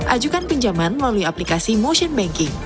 ajukan pinjaman melalui aplikasi motion banking